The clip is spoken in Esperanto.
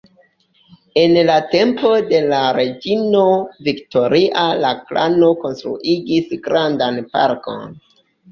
En la tempo de la reĝino Viktoria la klano konstruigis grandan parkon.